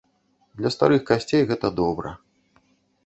Для старых касцей гэта добра.